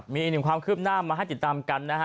มีอีกหนึ่งความคืบหน้ามาให้ติดตามกันนะฮะ